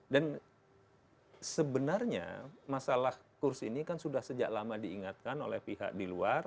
dan sebenarnya masalah kursi ini kan sudah sejak lama diingatkan oleh pihak di luar